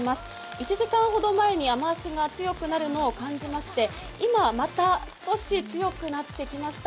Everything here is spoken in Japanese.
１時間ほど前に雨足が強くなるのを感じまして今また少し強くなってきました。